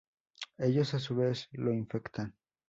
Ellos, a su vez, lo infectan.